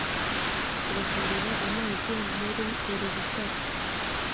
Tubakurira Amazi Muri Uru Rutare